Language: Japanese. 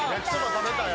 食べたい？